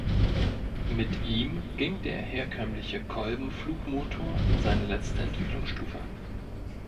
Mit ihm ging der herkömmliche Kolben-Flugmotor in seine letzte Entwicklungsstufe.